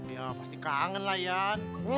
ya pasti kangen lah ya